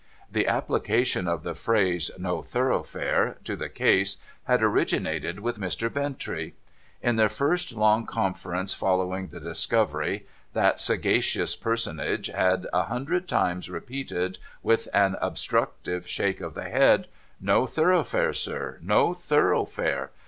The application of the phrase No Thoroughfare to the case had originated with Mr. Bintrcy. In their first long conference following the discovery, that sagacious personage had a hundred times MR. BINTREY STATES THE CASE 507 repeated, with an obsti uctive shake of the head, ' No Thoroughfare, Sir, No Thoroughfare.